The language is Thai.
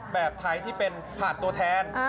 แบบไทยที่เป็นผ่านตัวแทน